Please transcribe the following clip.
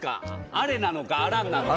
「あれ」なのか「あらん」なのか。